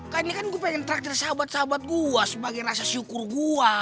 kan ini kan gue pengen tracker sahabat sahabat gue sebagai rasa syukur gue